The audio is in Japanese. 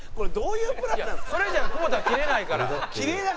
いやそれじゃ久保田がキレないから。